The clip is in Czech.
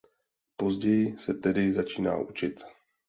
Později se tedy začíná učit.